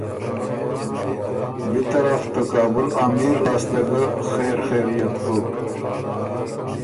بی طرف ته کابُل امیر لاسته ګۀ خېر خېریت بُک